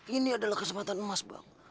ini adalah kesempatan emas bang